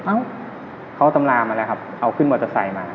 เอ้าเขาตำรามาแล้วครับเอาขึ้นมอเตอร์ไซค์มา